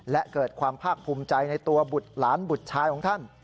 และเกิดความภาคภูมิใจในตัวบุตรหลานบุตรชายของท่าน